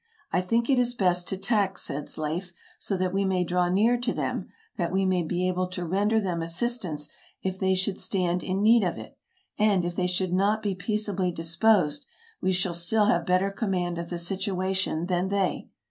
" I think it best to tack," says Leif, "so that we may draw near to them, that we may be able to render them assistance if they should stand in need of it; and, if they should not be peace ably disposed, we shall still have better command of the situation than they."